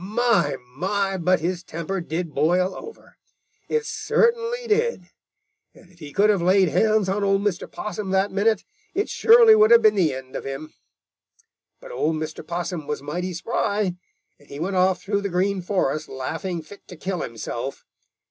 My, my, but his temper did boil over! It certainly did. And if he could have laid hands on old Mr. Possum that minute, it surely would have been the end of him. "But old Mr. Possum was mighty spry, and he went off through the Green Forest laughing fit to kill himself.